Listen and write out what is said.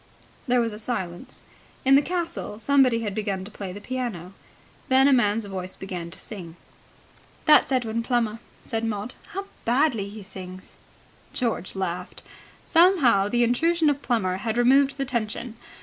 .." There was a silence. In the castle somebody had begun to play the piano. Then a man's voice began to sing. "That's Edwin Plummer," said Maud. "How badly he sings." George laughed. Somehow the intrusion of Plummer had removed the tension.